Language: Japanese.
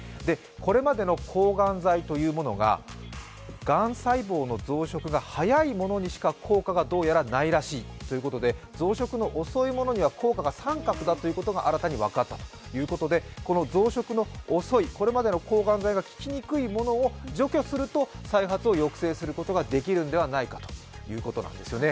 これまでの抗がん剤というものががん細胞の増殖が速いほうにしか効果がどうやらないらしいということで、増殖の遅いものには、効果が△だということが新たに分かったということで、この増殖の遅い、これまでの抗がん剤が効きにくいものを除去すると再発を抑制することができるんではないかということなんですね。